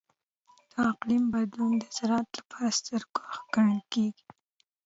د اقلیم بدلون د زراعت لپاره ستر ګواښ ګڼل کېږي.